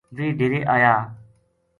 ویہ ڈیرے آیا